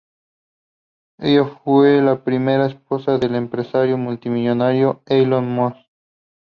Ella fue la primera esposa del empresario multimillonario Elon Musk.